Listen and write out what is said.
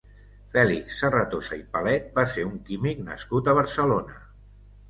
Fèlix Serratosa i Palet va ser un químic nascut a Barcelona.